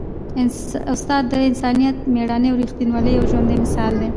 استاد د انسانیت، مېړانې او ریښتینولۍ یو ژوندی مثال دی.